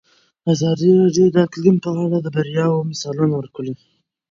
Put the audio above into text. ازادي راډیو د اقلیم په اړه د بریاوو مثالونه ورکړي.